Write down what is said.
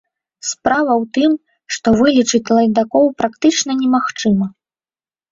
Справа ў тым, што вылічыць лайдакоў практычна немагчыма.